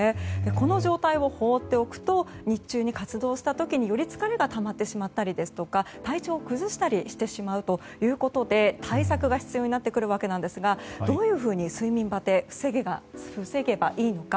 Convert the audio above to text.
この状態を放っておくと日中に活動した時により疲れがたまってしまったりですとか体調を崩したりしてしまうということで対策が必要になってくるわけなんですがどういうふうに睡眠バテを防げばいいのか